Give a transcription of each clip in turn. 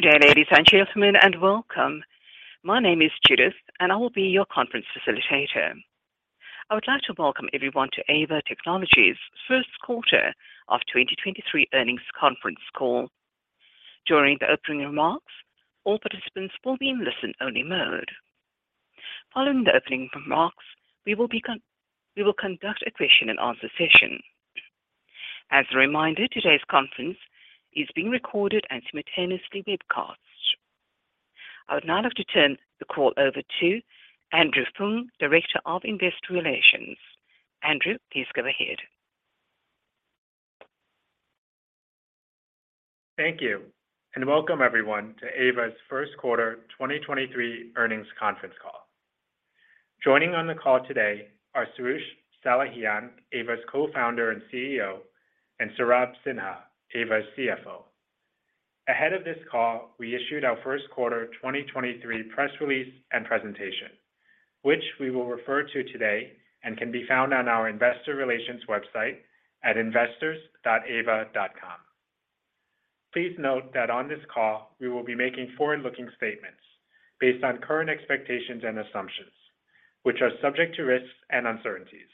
Good day, ladies and gentlemen, and welcome. My name is Judith, and I will be your conference facilitator. I would like to welcome everyone to Aeva Technologies 1st quarter of 2023 earnings conference call. During the opening remarks, all participants will be in listen-only mode. Following the opening remarks, we will conduct a question and answer session. As a reminder, today's conference is being recorded and simultaneously webcast. I would now like to turn the call over to Andrew Fung, Director of Investor Relations. Andrew Fung, please go ahead. Thank you. Welcome everyone to Aeva's first quarter 2023 earnings conference call. Joining on the call today are Soroush Salehian, Aeva's Co-Founder and CEO, and Saurabh Sinha, Aeva's CFO. Ahead of this call, we issued our first quarter 2023 press release and presentation, which we will refer to today and can be found on our investor relations website at investors.aeva.com. Please note that on this call, we will be making forward-looking statements based on current expectations and assumptions, which are subject to risks and uncertainties.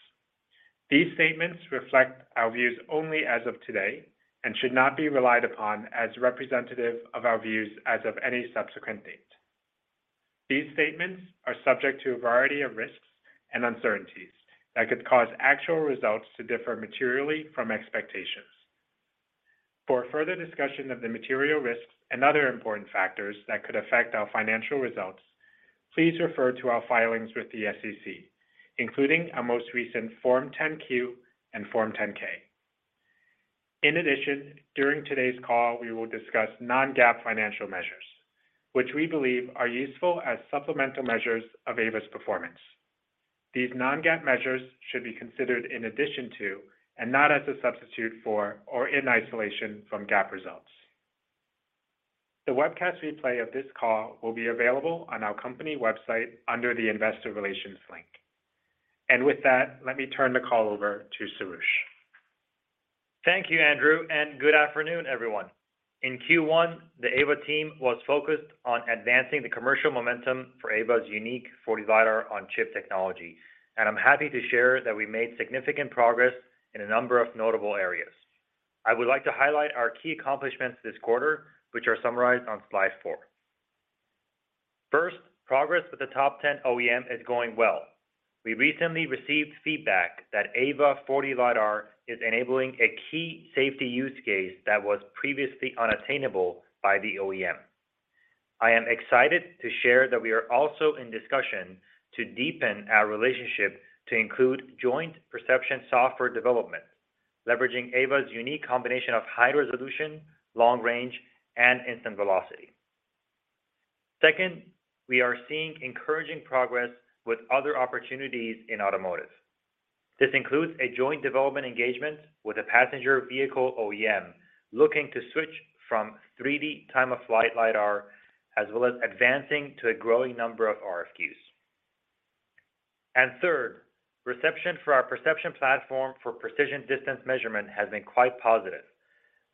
These statements reflect our views only as of today and should not be relied upon as representative of our views as of any subsequent date. These statements are subject to a variety of risks and uncertainties that could cause actual results to differ materially from expectations. For a further discussion of the material risks and other important factors that could affect our financial results, please refer to our filings with the SEC, including our most recent Form 10-Q and Form 10-K. In addition, during today's call, we will discuss non-GAAP financial measures, which we believe are useful as supplemental measures of Aeva's performance. These non-GAAP measures should be considered in addition to and not as a substitute for or in isolation from GAAP results. The webcast replay of this call will be available on our company website under the Investor Relations link. With that, let me turn the call over to Soroush Salehian. Thank you, Andrew Fung. Good afternoon, everyone. In Q1, the Aeva team was focused on advancing the commercial momentum for Aeva's unique 4D LiDAR-on-chip technology, and I'm happy to share that we made significant progress in a number of notable areas. I would like to highlight our key accomplishments this quarter, which are summarized on slide 4. First, progress with the top 10 OEM is going well. We recently received feedback that Aeva 4D LiDAR is enabling a key safety use case that was previously unattainable by the OEM. I am excited to share that we are also in discussion to deepen our relationship to include joint perception software development, leveraging Aeva's unique combination of high resolution, long range, and instant velocity. Second, we are seeing encouraging progress with other opportunities in automotive. This includes a joint development engagement with a passenger vehicle OEM looking to switch from 3D Time of Flight LiDAR, as well as advancing to a growing number of RFQs. Third, reception for our perception platform for precision distance measurement has been quite positive.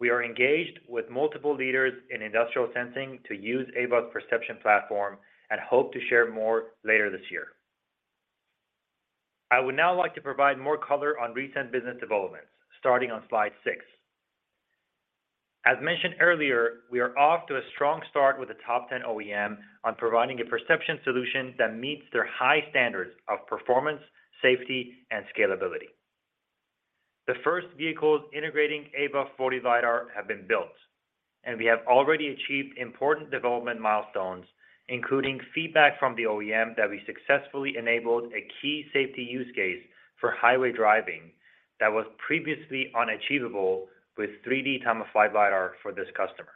We are engaged with multiple leaders in industrial sensing to use Aeva's perception platform and hope to share more later this year. I would now like to provide more color on recent business developments starting on slide 6. As mentioned earlier, we are off to a strong start with the top 10 OEM on providing a perception solution that meets their high standards of performance, safety, and scalability. The first vehicles integrating Aeva 4D LiDAR have been built, and we have already achieved important development milestones, including feedback from the OEM that we successfully enabled a key safety use case for highway driving that was previously unachievable with 3D Time of Flight LiDAR for this customer.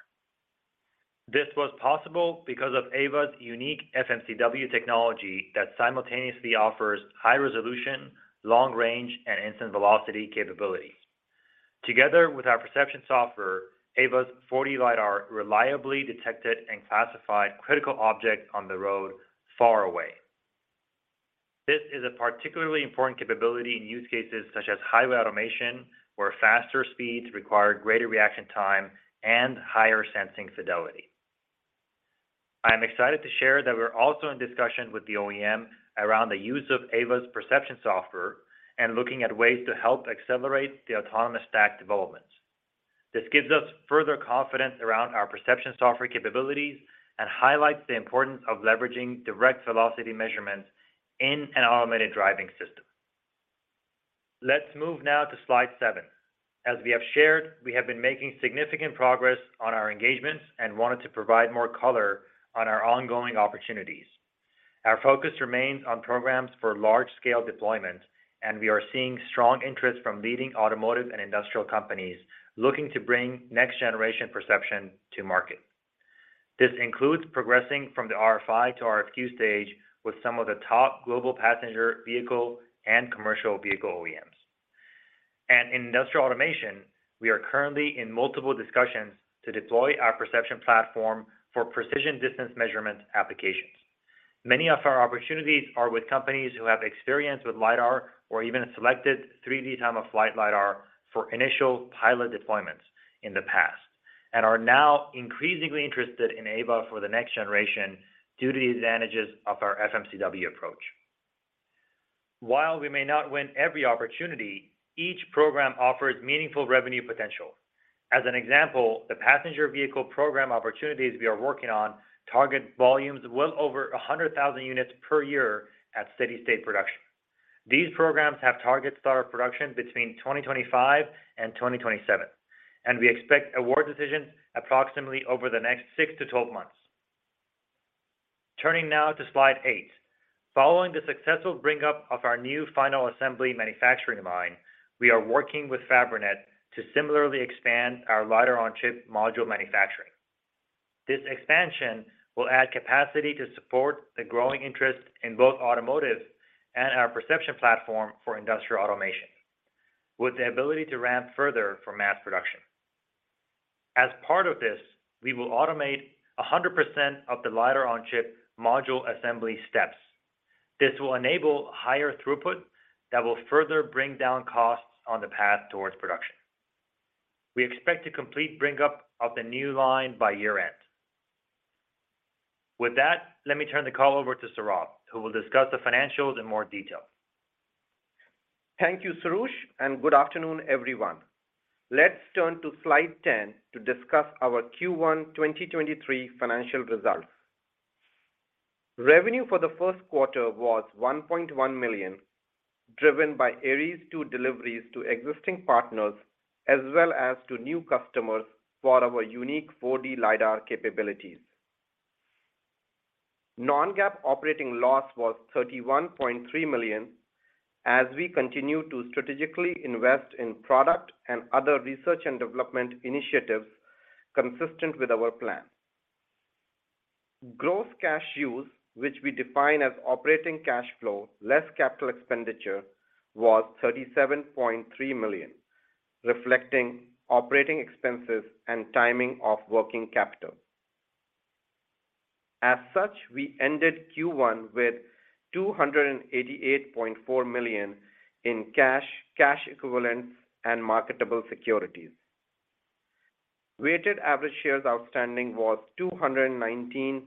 This was possible because of Aeva's unique FMCW technology that simultaneously offers high resolution, long range, and instant velocity capabilities. Together with our perception software, Aeva's 4D LiDAR reliably detected and classified critical objects on the road far away. This is a particularly important capability in use cases such as highway automation, where faster speeds require greater reaction time and higher sensing fidelity. I am excited to share that we're also in discussions with the OEM around the use of Aeva's perception software and looking at ways to help accelerate the autonomous stack developments. This gives us further confidence around our perception software capabilities and highlights the importance of leveraging direct velocity measurements in an automated driving system. Let's move now to slide 7. As we have shared, we have been making significant progress on our engagements and wanted to provide more color on our ongoing opportunities. Our focus remains on programs for large-scale deployment, and we are seeing strong interest from leading automotive and industrial companies looking to bring next generation perception to market. This includes progressing from the RFI to RFQ stage with some of the top global passenger vehicle and commercial vehicle OEMs. In industrial automation, we are currently in multiple discussions to deploy our perception platform for precision distance measurement applications. Many of our opportunities are with companies who have experience with LiDAR or even selected 3D Time of Flight LiDAR for initial pilot deployments in the past, and are now increasingly interested in Aeva for the next generation due to the advantages of our FMCW approach. While we may not win every opportunity, each program offers meaningful revenue potential. As an example, the passenger vehicle program opportunities we are working on target volumes well over 100,000 units per year at steady state production. These programs have targets that are production between 2025 and 2027, and we expect award decisions approximately over the next 6-12 months. Turning now to slide 8. Following the successful bring up of our new final assembly manufacturing line, we are working with Fabrinet to similarly expand our LiDAR-on-chip module manufacturing. This expansion will add capacity to support the growing interest in both automotive and our perception platform for industrial automation, with the ability to ramp further for mass production. As part of this, we will automate 100% of the LiDAR-on-chip module assembly steps. This will enable higher throughput that will further bring down costs on the path towards production. We expect to complete bring up of the new line by year-end. Let me turn the call over to Saurabh Sinha, who will discuss the financials in more detail. Thank you, Soroush Salehian, and good afternoon, everyone. Let's turn to slide 10 to discuss our Q1 2023 financial results. Revenue for the first quarter was $1.1 million, driven by Aeries II deliveries to existing partners as well as to new customers for our unique 4D LiDAR capabilities. non-GAAP operating loss was $31.3 million as we continue to strategically invest in product and other research and development initiatives consistent with our plan. Gross cash use, which we define as operating cash flow, less capital expenditure, was $37.3 million, reflecting operating expenses and timing of working capital. As such, we ended Q1 with $288.4 million in cash equivalents, and marketable securities. Weighted average shares outstanding was 219.6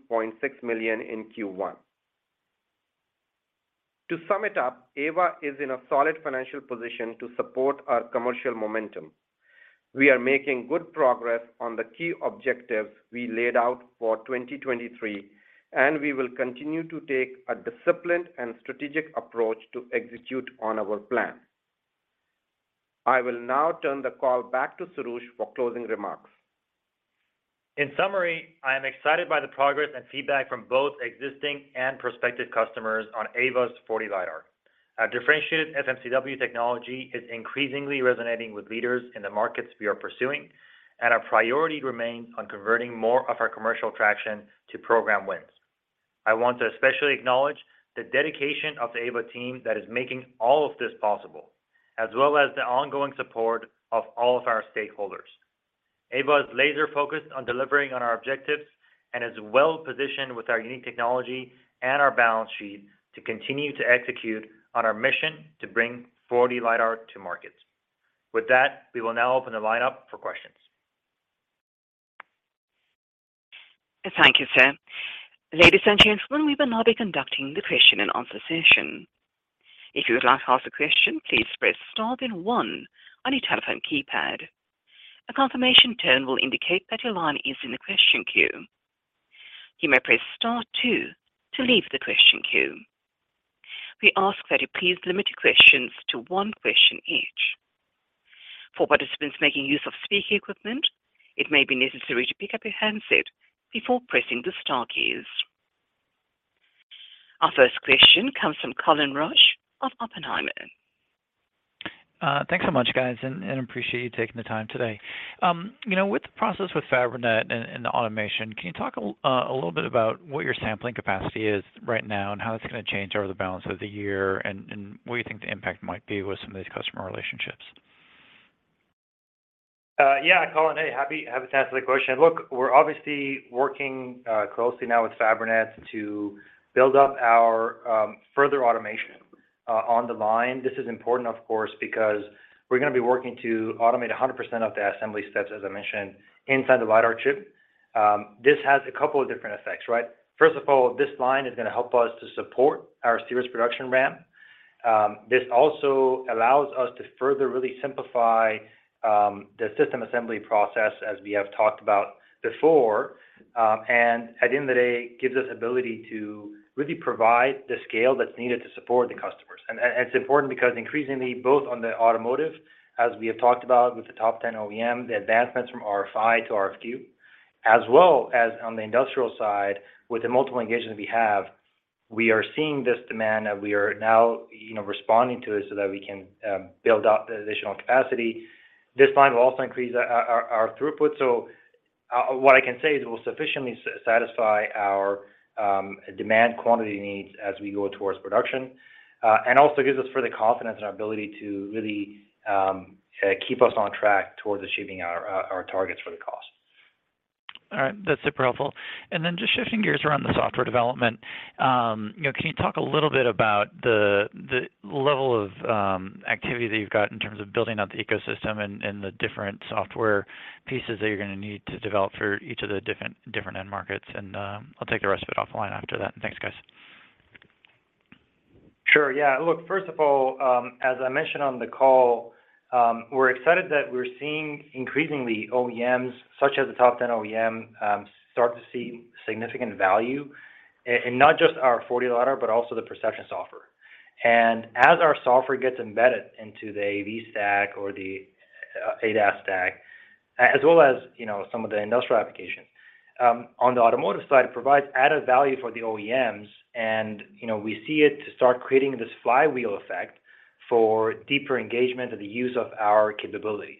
million in Q1. To sum it up, Aeva is in a solid financial position to support our commercial momentum. We are making good progress on the key objectives we laid out for 2023. We will continue to take a disciplined and strategic approach to execute on our plan. I will now turn the call back to Soroush Salehian for closing remarks. In summary, I am excited by the progress and feedback from both existing and prospective customers on Aeva's 4D LiDAR. Our differentiated FMCW technology is increasingly resonating with leaders in the markets we are pursuing. Our priority remains on converting more of our commercial traction to program wins. I want to especially acknowledge the dedication of the Aeva team that is making all of this possible, as well as the ongoing support of all of our stakeholders. Aeva is laser-focused on delivering on our objectives and is well-positioned with our unique technology and our balance sheet to continue to execute on our mission to bring 4D LiDAR to market. With that, we will now open the line up for questions. Thank you, sir. Ladies and gentlemen, we will now be conducting the question and answer session. If you would like to ask a question, please press star then 1 on your telephone keypad. A confirmation tone will indicate that your line is in the question queue. You may press star 2 to leave the question queue. We ask that you please limit your questions to 1 question each. For participants making use of speaker equipment, it may be necessary to pick up your handset before pressing the star keys. Our first question comes from Colin Rusch of Oppenheimer. Thanks so much, guys. Appreciate you taking the time today. You know, with the process with Fabrinet and the automation, can you talk a little bit about what your sampling capacity is right now and how that's gonna change over the balance of the year and what do you think the impact might be with some of these customer relationships? Yeah, Colin Rusch. Hey, happy to answer that question. Look, we're obviously working closely now with Fabrinet to build up our further automation on the line. This is important, of course, because we're gonna be working to automate 100% of the assembly steps, as I mentioned, inside the LiDAR chip. This has a couple of different effects, right? First of all, this line is going to help us to support our Aeries II production ramp. This also allows us to further really simplify the system assembly process as we have talked about before. At the end of the day, gives us ability to really provide the scale that's needed to support the customers. It's important because increasingly, both on the automotive, as we have talked about with the top 10 OEM, the advancements from RFI to RFQ, as well as on the industrial side with the multiple engagements we have, we are seeing this demand that we are now responding to it so that we can build up the additional capacity. This line will also increase our throughput. What I can say is it will sufficiently satisfy our demand quantity needs as we go towards production. Also gives us further confidence and ability to really keep us on track towards achieving our targets for the cost. All right. That's super helpful. Then just shifting gears around the software development, you know, can you talk a little bit about the level of activity that you've got in terms of building out the ecosystem and the different software pieces that you're gonna need to develop for each of the different end markets? I'll take the rest of it offline after that. Thanks, guys. Sure. Yeah. Look, first of all, as I mentioned on the call, we're excited that we're seeing increasingly OEMs, such as the top 10 OEM, start to see significant value in not just our 4D LiDAR, but also the perception software. As our software gets embedded into the AV stack or the ADAS stack, as well as some of the industrial applications, on the automotive side, it provides added value for the OEMs and we see it to start creating this flywheel effect for deeper engagement of the use of our capabilities.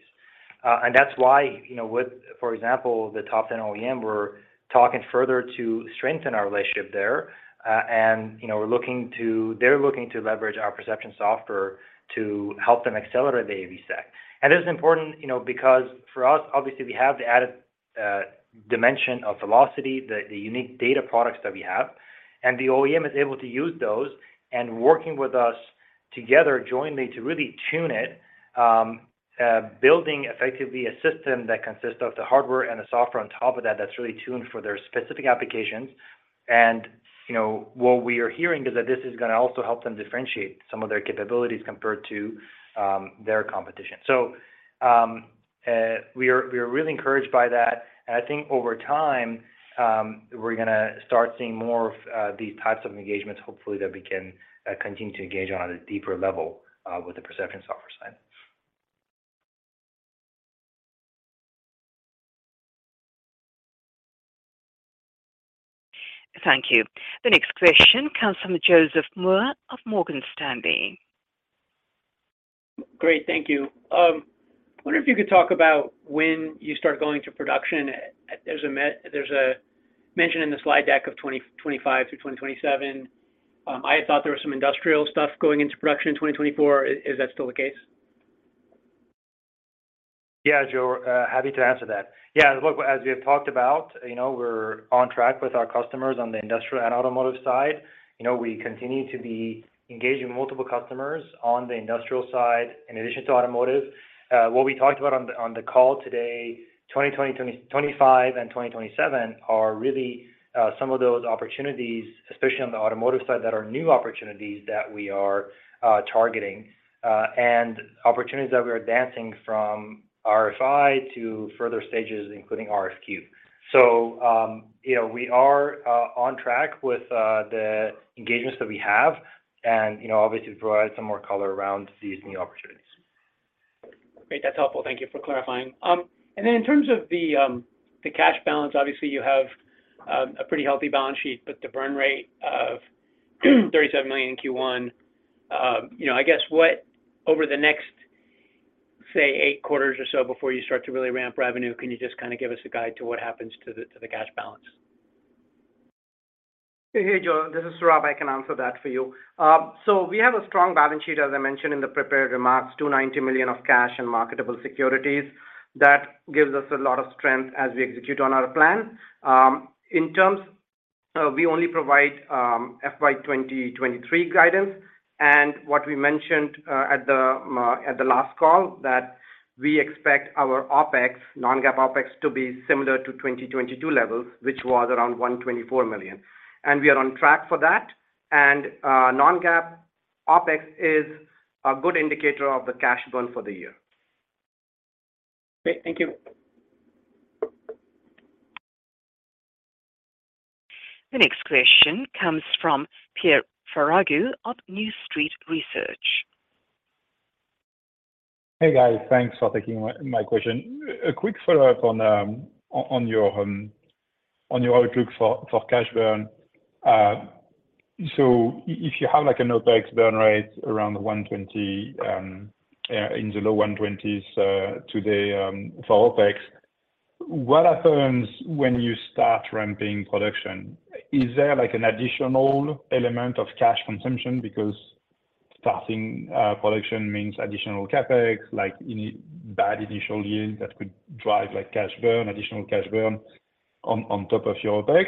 That's why with, for example, the top 10 OEM, we're talking further to strengthen our relationship there. They're looking to leverage our perception software to help them accelerate the AV stack. This is important because for us, obviously, we have the added dimension of velocity, the unique data products that we have, and the OEM is able to use those and working with us together jointly to really tune it, building effectively a system that consists of the hardware and the software on top of that that's really tuned for their specific applications. What we are hearing is that this is gonna also help them differentiate some of their capabilities compared to their competition. We are really encouraged by that. I think over time, we're gonna start seeing more of these types of engagements, hopefully, that we can continue to engage on a deeper level with the perception software side. Thank you. The next question comes from Joseph Moore of Morgan Stanley. Great. Thank you. I wonder if you could talk about when you start going to production. There's a mention in the slide deck of 2025 through 2027. I had thought there was some industrial stuff going into production in 2024. Is that still the case? Joseph Moore. Happy to answer that. Look, as we have talked about, you know, we're on track with our customers on the industrial and automotive side. We continue to be engaging multiple customers on the industrial side in addition to automotive. What we talked about on the call today, 2020, 2025 and 2027 are really some of those opportunities, especially on the automotive side, that are new opportunities that we are targeting and opportunities that we are advancing from RFI to further stages, including RFQ. You know, we are on track with the engagements that we have and, you know, obviously provide some more color around these new opportunities. Great. That's helpful. Thank you for clarifying. In terms of the cash balance, obviously you have a pretty healthy balance sheet, but the burn rate of $37 million in Q1, you know, I guess what over the next, say, eight quarters or so before you start to really ramp revenue, can you just give us a guide to what happens to the, to the cash balance? Hey, Joseph Moore, this is Saurabh Sinha. I can answer that for you. We have a strong balance sheet, as I mentioned in the prepared remarks, $290 million of cash and marketable securities. That gives us a lot of strength as we execute on our plan. In terms, we only provide FY 2023 guidance. What we mentioned at the last call, that we expect our OpEx, non-GAAP OpEx, to be similar to 2022 levels, which was around $124 million. We are on track for that. Non-GAAP OpEx is a good indicator of the cash burn for the year. Great. Thank you. The next question comes from Pierre Ferragu of New Street Research. Hey, guys. Thanks for taking my question. A quick follow-up on your outlook for cash burn. If you have, like, an OpEx burn rate around the 120 in the low 120s today for OpEx, what happens when you start ramping production? Is there, like, an additional element of cash consumption because starting production means additional CapEx, like any bad initial yield that could drive, like, cash burn, additional cash burn on top of your OpEx?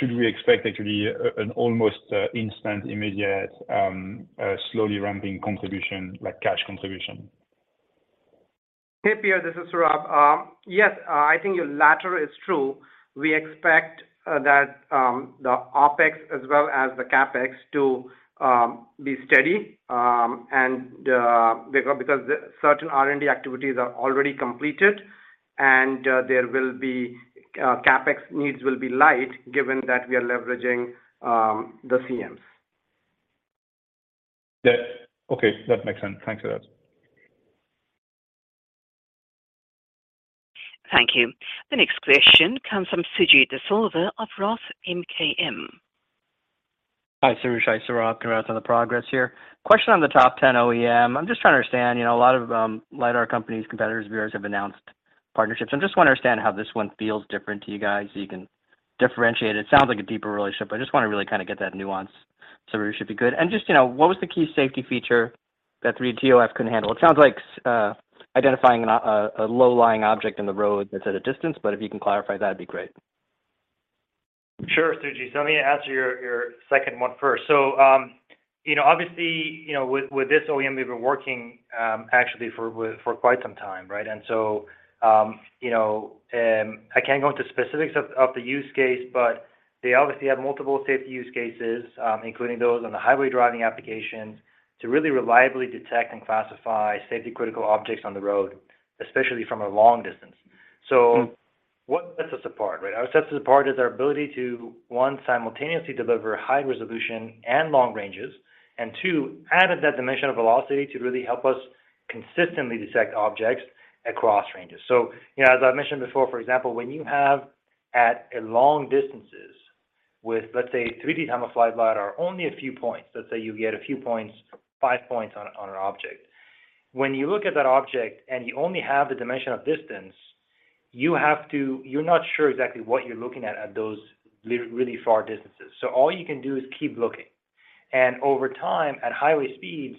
Should we expect actually an almost instant, immediate, slowly ramping contribution, like cash contribution? Hey, Pierre Ferragu, this is Saurabh Sinha. I think your latter is true. We expect that the OpEx as well as the CapEx to be steady because certain R&D activities are already completed, and there will be CapEx needs will be light given that we are leveraging the CMs. Yeah. Okay. That makes sense. Thanks for that. Thank you. The next question comes from Sujit De Silva of Roth MKM. Hi, Saurabh Sinha. Hi, Soroush Salehian. Congrats on the progress here. Question on the top ten OEM. I'm just trying to understand, you know, a lot of LiDAR companies, competitors of yours have announced partnerships. I just wanna understand how this one feels different to you guys, so you can differentiate it. It sounds like a deeper relationship. I just wanna really kinda get that nuance. It should be good. Just, you know, what was the key safety feature that 3D TOF couldn't handle? It sounds like identifying a low-lying object in the road that's at a distance, but if you can clarify, that'd be great. Sure, Suji DeSilva. Let me answer your second one first. Obviously, you know, with this OEM, we've been working actually for quite some time. I can't go into specifics of the use case, but they obviously have multiple safety use cases, including those on the highway driving applications to really reliably detect and classify safety critical objects on the road, especially from a long distance. What sets us apart. What sets us apart is our ability to, one, simultaneously deliver high resolution and long ranges. Two, add in that dimension of velocity to really help us consistently detect objects across ranges. As I mentioned before, for example, when you have at a long distances with, let's say, a 3D Time of Flight LiDAR, only a few points. Let's say you get a few points, 5 points on an object. When you look at that object and you only have the dimension of distance, you have to. You're not sure exactly what you're looking at those really far distances. All you can do is keep looking. Over time, at highway speeds,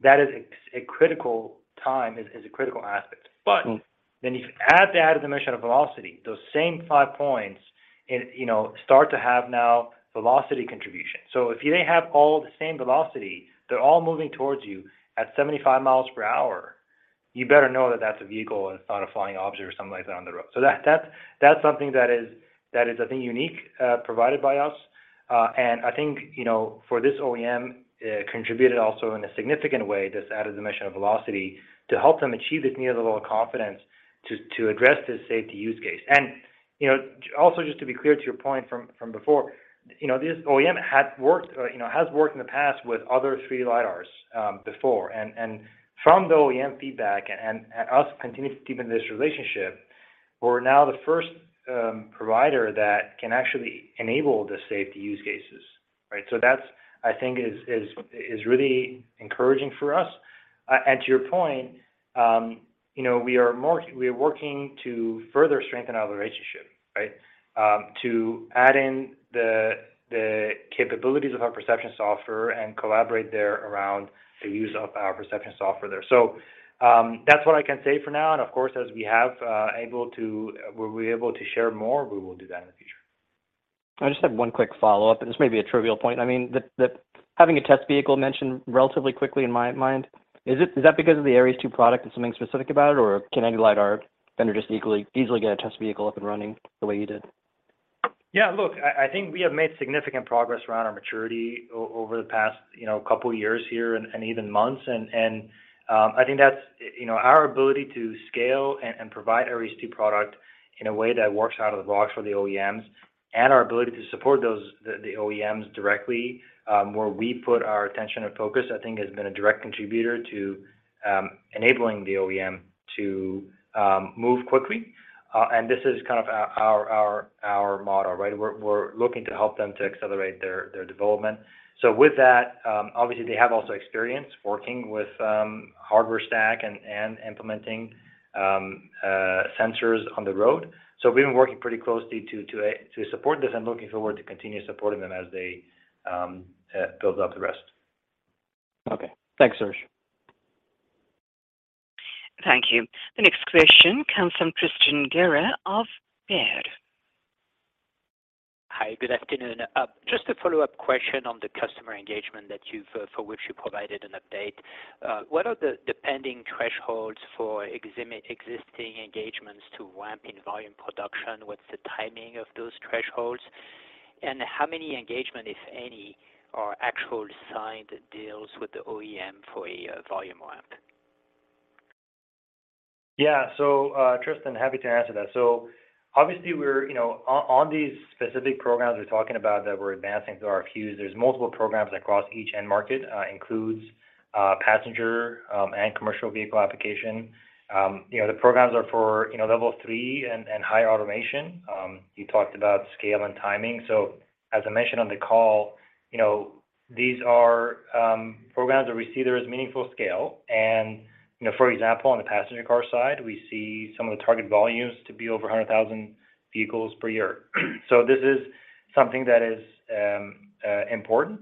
that is a critical time, is a critical aspect. If you add the added dimension of velocity, those same 5 points in start to have now velocity contribution. If they have all the same velocity, they're all moving towards you at 75 miles per hour, you better know that that's a vehicle and it's not a flying object or something like that on the road. That's something that is, I think, unique, provided by us. I think, for this OEM, it contributed also in a significant way, this added dimension of velocity, to help them achieve this near the level of confidence to address this safety use case, also, just to be clear to your point from before, this OEM had worked, has worked in the past with other 3D LiDARs before. From the OEM feedback and us continuing to deepen this relationship, we're now the first provider that can actually enable the safety use cases. That's, I think is really encouraging for us. To your point, we are working to further strengthen our relationship. To add in the capabilities of our perception software and collaborate there around the use of our perception software there. That's what I can say for now. Of course, as we have able to, we'll be able to share more, we will do that in the future. I just have one quick follow-up, and this may be a trivial point. I mean, the having a test vehicle mentioned relatively quickly in my mind, is that because of the Aeries II product and something specific about it, or can any LiDAR vendor just equally, easily get a test vehicle up and running the way you did? Yeah, look, I think we have made significant progress around our maturity over the past, couple of years here and even months. I think that's, our ability to scale and provide Aeries II product in a way that works out of the box for the OEMs and our ability to support those the OEMs directly, where we put our attention and focus, I think has been a direct contributor to enabling the OEM to move quickly. This is kind of our model. We're looking to help them to accelerate their development. With that, obviously they have also experience working with hardware stack and implementing sensors on the road. We've been working pretty closely to support this and looking forward to continue supporting them as they build up the rest. Okay. Thanks, Soroush Salehian. Thank you. The next question comes from Tristan Gerra of Baird. Hi, good afternoon. Just a follow-up question on the customer engagement that you've for which you provided an update. What are the pending thresholds for existing engagements to ramp in volume production? What's the timing of those thresholds? How many engagement, if any, are actual signed deals with the OEM for a volume ramp? Yeah. Tristan Gerra, happy to answer that. Obviously we're, you know, on these specific programs we're talking about that we're advancing through RFQs, there's multiple programs across each end market, includes passenger and commercial vehicle application. You know, the programs are for, you know, Level 3 and higher automation. You talked about scale and timing. As I mentioned on the call, you know, these are programs that we see there as meaningful scale. You know, for example, on the passenger car side, we see some of the target volumes to be over 100,000 vehicles per year. This is something that is important.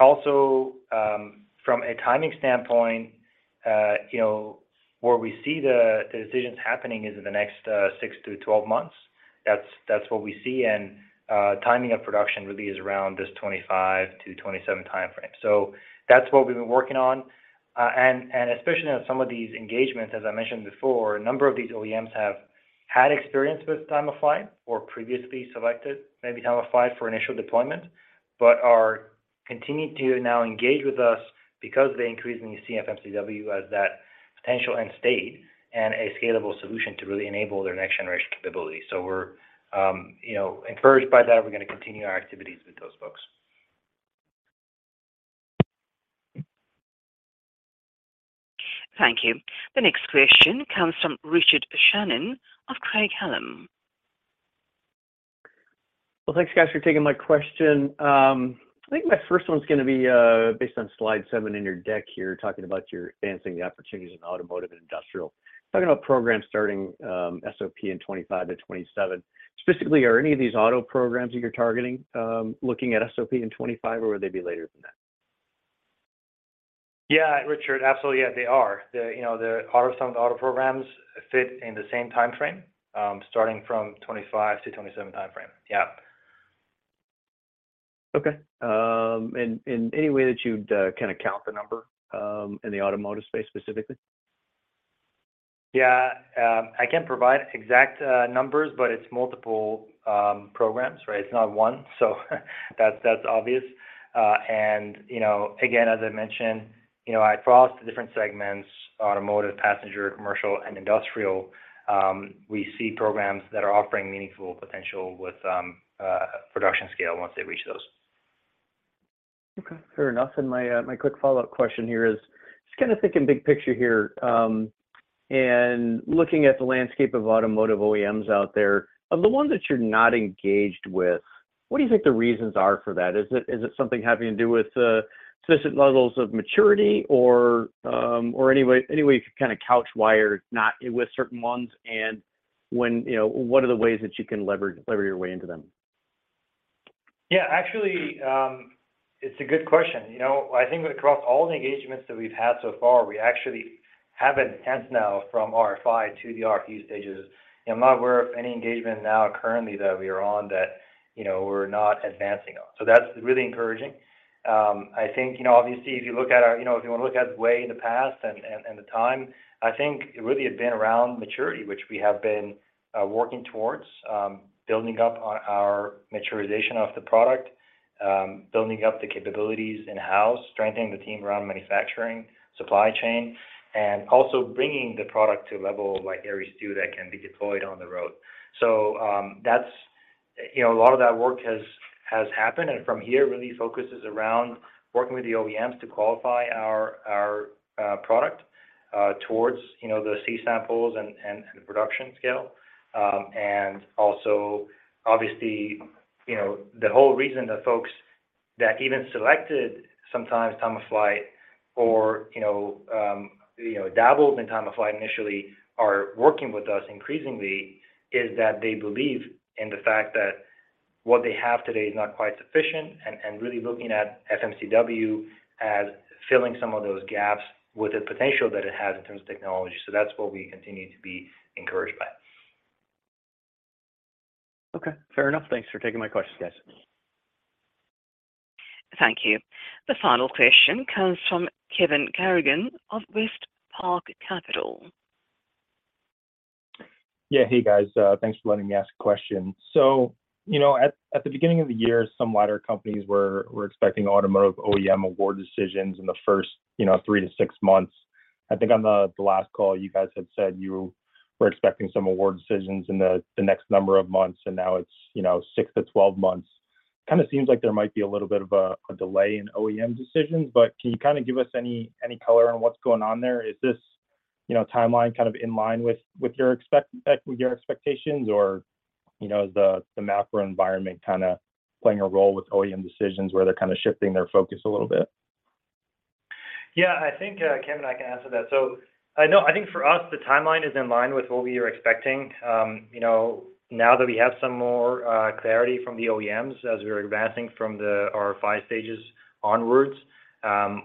Also, from a timing standpoint, you know, where we see the decisions happening is in the next 6-12 months. That's what we se timing of production really is around this 25 to 27 timeframe. That's what we've been working on. especially on some of these engagements, as I mentioned before, a number of these OEMs have had experience with time-of-flight or previously selected maybe time-of-flight for initial deployment, but are continuing to now engage with us because they increasingly see FMCW as that potential end state and a scalable solution to really enable their next generation capability. we're, you know, encouraged by that. We're gonna continue our activities with those folks. Thank you. The next question comes from Richard Shannon of Craig-Hallum. Thanks guys for taking my question. I think my first one's gonna be based on slide seven in your deck here, talking about your advancing the opportunities in automotive and industrial. Talking about programs starting SOP in 2025 to 2027. Specifically, are any of these auto programs that you're targeting, looking at SOP in 2025, or would they be later than that? Yeah, Richard Shannon, absolutely. Yeah, they are. Some of the auto programs fit in the same timeframe, starting from 2025-2027 timeframe. Yeah. Okay. And any way that you'd count the number, in the automotive space specifically? Yeah. I can't provide exact numbers, but it's multiple programs. It's not one. That's, that's obvious. Again, as I mentioned across the different segments, automotive, passenger, commercial, and industrial, we see programs that are offering meaningful potential with production scale once they reach those. Okay. Fair enough. My quick follow-up question here is just kinda thinking big picture here, and looking at the landscape of automotive OEMs out there. Of the ones that you're not engaged with, what do you think the reasons are for that? Is it something having to do with sufficient levels of maturity or any way, any way you could kinda couch why you're not with certain ones, and when, you know what are the ways that you can lever your way into them? Actually, it's a good question. I think across all the engagements that we've had so far, we actually have enhanced now from RFI to the RFPs stages. I'm not aware of any engagement now currently that we are on that, you know, we're not advancing on. That's really encouraging. I think, you know, obviously, if you look at our, you know, if you want to look at way in the past and the time, I think it really had been around maturity, which we have been working towards, building up our maturization of the product, building up the capabilities in-house, strengthening the team around manufacturing, supply chain, and also bringing the product to a level like Aeries II that can be deployed on the road. That's a lot of that work has happened, and from here really focuses around working with the OEMs to qualify our product towards the C samples and production scale. Obviously, the whole reason that folks that even selected sometimes Time of Flight or dabbled in Time of Flight initially are working with us increasingly is that they believe in the fact that what they have today is not quite sufficient and really looking at FMCW as filling some of those gaps with the potential that it has in terms of technology. That's what we continue to be encouraged by. Okay. Fair enough. Thanks for taking my questions, guys. Thank you. The final question comes from Kevin Garrigan of WestPark Capital. Yeah. Hey, guys. Thanks for letting me ask a question. At the beginning of the year, some LiDAR companies were expecting automotive OEM award decisions in the first, you know, 3-6 months. I think on the last call, you guys had said you were expecting some award decisions in the next number of months, and now it's, you know, 6-12 months. Kinda seems like there might be a little bit of a delay in OEM decisions, but can you kinda give us any color on what's going on there? Is the timeline kind of in line with your expectations, or is the macro environment kinda playing a role with OEM decisions where they're kinda shifting their focus a little bit? I think, Kevin, I can answer that. I think for us, the timeline is in line with what we are expecting. you know, now that we have some more clarity from the OEMs as we're advancing from the RFI stages onwards,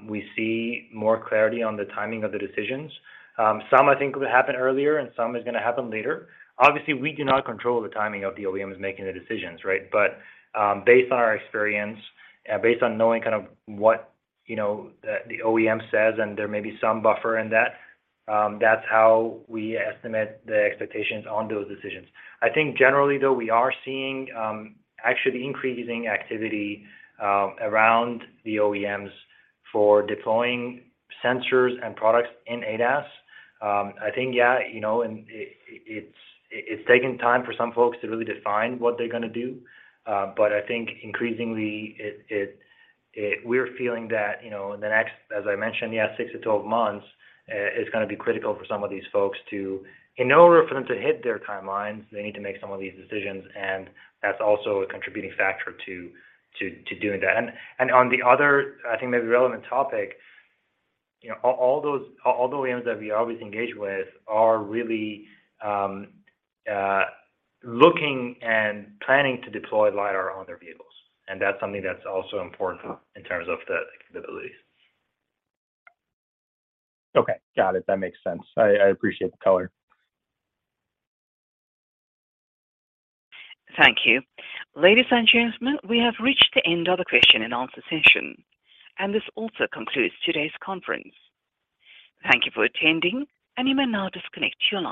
we see more clarity on the timing of the decisions. Some I think will happen earlier, and some is going happen later. Obviously, we do not control the timing of the OEMs making the decisions, based on our experience, based on knowing what the OEM says, and there may be some buffer in that's how we estimate the expectations on those decisions. I think generally, though, we are seeing, actually increasing activity around the OEMs for deploying sensors and products in ADAS. I think, yeah it's taking time for some folks to really define what they're going to do. But I think increasingly we're feeling that in the next, as I mentioned, yeah, 6-12 months, is going to be critical for some of these folks to in order for them to hit their timelines, they need to make some of these decisions, and that's also a contributing factor to doing that. On the other, I think, maybe relevant topic, you know, all the OEMs that we always engage with are really looking and planning to deploy LiDAR on their vehicles, and that's something that's also important in terms of the capabilities. Okay. Got it. That makes sense. I appreciate the call. Thank you. Ladies and gentlemen, we have reached the end of the question and answer session. This also concludes today's conference. Thank you for attending. You may now disconnect your line.